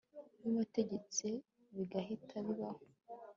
we wategetse bigahita bibaho